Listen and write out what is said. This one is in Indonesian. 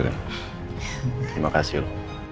terima kasih el